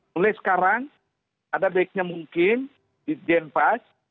mulai sekarang ada baiknya mungkin di jenpas